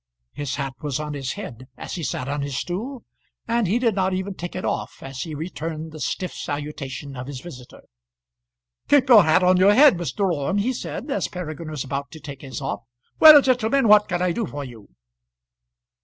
His hat was on his head as he sat on his stool, and he did not even take it off as he returned the stiff salutation of his visitor. "Keep your hat on your head, Mr. Orme," he said, as Peregrine was about to take his off. "Well, gentlemen, what can I do for you?"